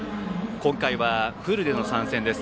今回はフルでの参戦です。